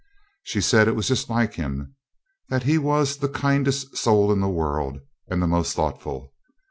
She said it was just like him that he was the kindest soul in the world, and the most thoughtful.